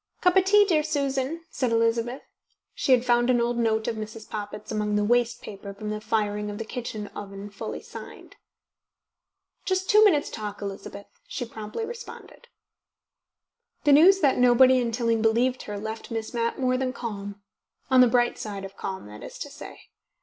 "Cup of tea, dear Susan?" said Elizabeth. She had found an old note of Mrs. Poppit's among the waste paper for the firing of the kitchen oven fully signed. "Just two minutes' talk, Elizabeth," she promptly responded. The news that nobody in Tilling believed her left Miss Mapp more than calm, on the bright side of calm, that is to say.